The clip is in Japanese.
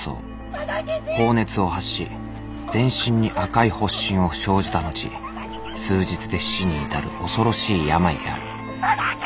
高熱を発し全身に赤い発疹を生じたのち数日で死に至る恐ろしい病である。